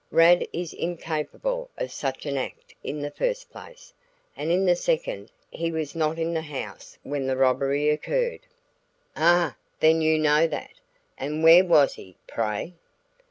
Rad is incapable of such an act in the first place, and in the second, he was not in the house when the robbery occurred." "Ah! Then you know that? And where was he, pray?"